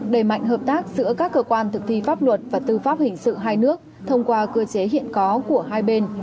đẩy mạnh hợp tác giữa các cơ quan thực thi pháp luật và tư pháp hình sự hai nước thông qua cơ chế hiện có của hai bên